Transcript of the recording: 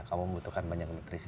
kamu membutuhkan banyak nutrisi